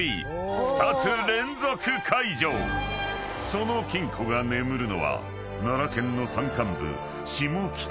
［その金庫が眠るのは奈良県の山間部］